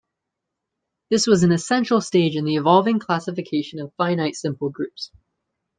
This was an essential stage in the evolving classification of finite simple groups.